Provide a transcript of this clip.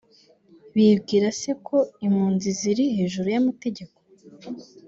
Bibwira se ko impunzi ziri hejuru y’amategeko